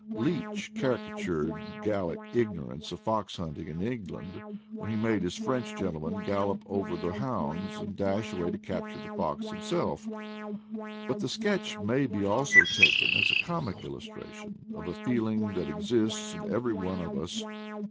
Leech caricatured Gal lic ignorance of fox hunting in England when he made his French gentleman gallop over the hounds and dash away to capture the fox him self ; but the sketch may be also taken as a comic illustration of a feeling that exists in every one of us.